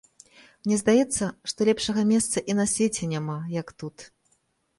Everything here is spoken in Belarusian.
Мне здаецца, што лепшага месца і на свеце няма, як тут.